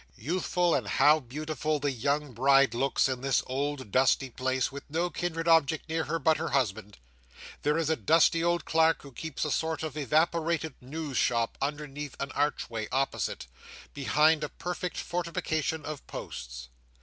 Youthful, and how beautiful, the young bride looks, in this old dusty place, with no kindred object near her but her husband. There is a dusty old clerk, who keeps a sort of evaporated news shop underneath an archway opposite, behind a perfect fortification of posts.